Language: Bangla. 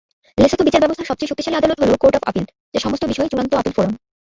লেসোথো বিচার ব্যবস্থার সবচেয়ে শক্তিশালী আদালত হ'ল কোর্ট অফ আপিল, যা সমস্ত বিষয়ে চূড়ান্ত আপিল ফোরাম।